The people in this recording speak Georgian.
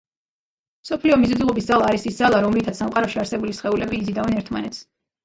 მსოფლიო მიზიდულობის ძალა არის ის ძალა, რომლითაც სამყაროში არსებული სხეულები იზიდავენ ერთმანეთს.